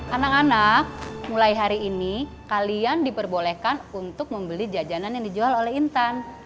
anak anak mulai hari ini kalian diperbolehkan untuk membeli jajanan yang dijual oleh intan